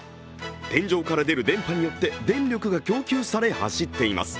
天井から出る電波によって電力が供給され、走っています。